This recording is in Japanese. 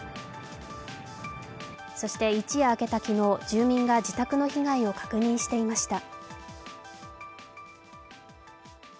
そして一夜明けた昨日、住民が自宅の被害を確認していました。